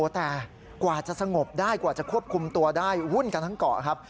แต่กว่าจะสงบได้กว่าจะควบคุมตัวได้วุ่นกันทั้งเกาะครับ